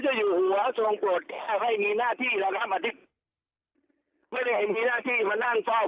พ่อจะอยู่หัวโทษโปรดใกล้ไม่ให้มีหน้าที่นะคะเมื่อไม่มีหน้าที่มานั่งเฝ้าพัดนะ